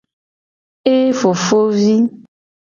Ee fofovi.